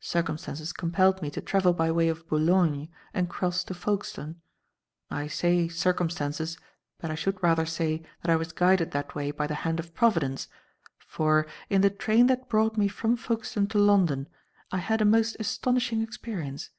Circumstances compelled me to travel by way of Boulogne and cross to Folkestone. I say 'circumstances,' but I should rather say that I was guided that way by the hand of Providence, for, in the train that brought me from Folkestone to London, I had a most astonishing experience.